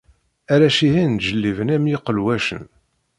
Arrac-ihin ǧelliben am yiqelwacen.